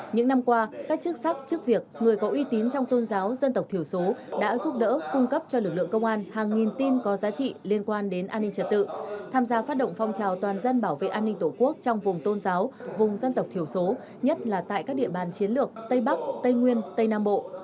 những năm qua các chức sắc chức việc người có uy tín trong tôn giáo dân tộc thiểu số đã giúp đỡ cung cấp cho lực lượng công an hàng nghìn tin có giá trị liên quan đến an ninh trật tự tham gia phát động phong trào toàn dân bảo vệ an ninh tổ quốc trong vùng tôn giáo vùng dân tộc thiểu số nhất là tại các địa bàn chiến lược tây bắc tây nguyên tây nam bộ